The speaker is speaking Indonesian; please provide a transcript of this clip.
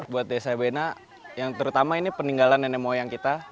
buat desa bena yang terutama ini peninggalan nenek moyang kita